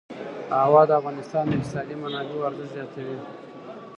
هوا د افغانستان د اقتصادي منابعو ارزښت زیاتوي.